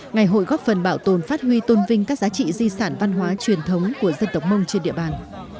ngày hội góp phần bảo tồn phát huy tôn vinh các giá trị di sản văn hóa truyền thống của dân tộc mông trên địa bàn